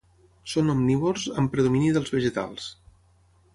Són omnívors amb predomini dels vegetals.